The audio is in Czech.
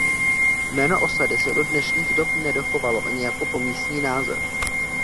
Jméno osady se do dnešních dob nedochovalo ani jako pomístní název.